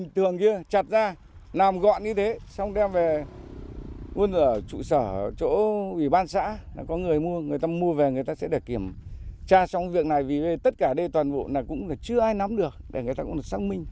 tại chỗ ủy ban xã có người mua người ta mua về người ta sẽ để kiểm tra trong việc này vì tất cả đây toàn bộ này cũng chưa ai nắm được để người ta cũng được xác minh